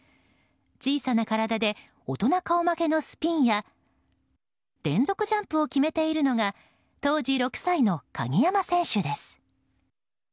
小さな体で大人顔負けのスピンや連続ジャンプを決めているのが当時６歳の鍵山選手です。